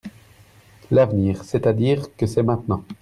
L’avenir, c’est-à-dire que c’est maintenant